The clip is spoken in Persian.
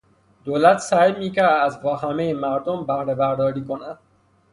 دولت سعی میکرد از واهمهی مردم بهرهبرداری کند.